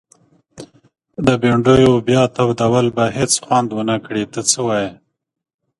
د بنډیو بیا تودول به هيڅ خوند ونکړي ته څه وايي؟